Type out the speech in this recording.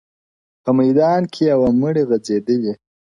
• په میدان کي یې وو مړی غځېدلی -